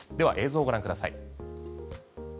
映像をご覧ください。